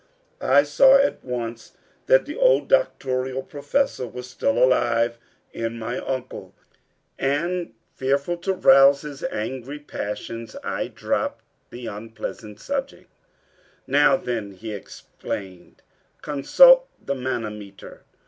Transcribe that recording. I saw at once that the old doctorial Professor was still alive in my uncle and fearful to rouse his angry passions, I dropped the unpleasant subject. "Now, then," he explained, "consult the manometer.